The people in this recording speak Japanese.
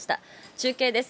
中継です。